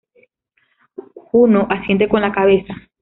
Juno asiente con la cabeza.